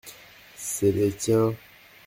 C’est les tiens.